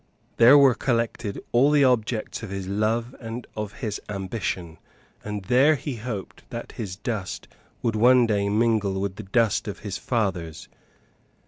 There were collected all the objects of his love and of his ambition; and there he hoped that his dust would one day mingle with the dust of his fathers.